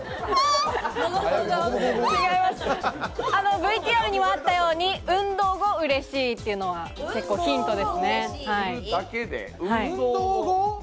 ＶＴＲにもあったように運動後うれしいというのは結構ヒントですね。